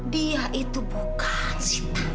dia itu bukan sita